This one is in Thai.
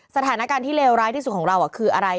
สถานการณ์ที่เลวร้ายที่สุดของเราคืออะไร